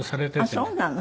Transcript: あっそうなの。